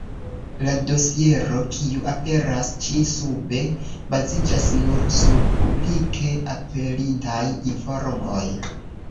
La dosiero, kiu aperas ĉi-sube, baziĝas nur sur publike aperintaj informoj.